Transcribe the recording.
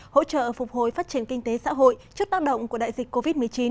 hỗ trợ phục hồi phát triển kinh tế xã hội trước tác động của đại dịch covid một mươi chín